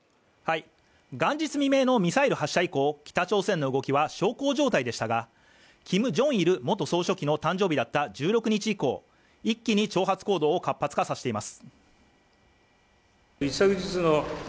元日未明のミサイル発射以降北朝鮮の動きは小康状態でしたがキム・ジョンイル総書記の誕生日だった１６日以降一気に挑発行動を活発化させています